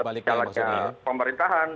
bagaimana perjalanan pemerintahan